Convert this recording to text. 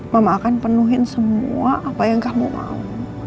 mama akan penuhin semua apa yang kamu mau